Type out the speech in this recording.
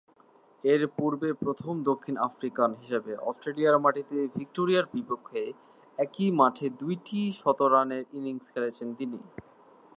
এরপূর্বে প্রথম দক্ষিণ আফ্রিকান হিসেবে অস্ট্রেলিয়ার মাটিতে ভিক্টোরিয়ার বিপক্ষে একই মাঠে দুইটি শতরানের ইনিংস খেলেছিলেন তিনি।